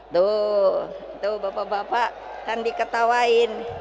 tuh tuh bapak bapak kan diketawain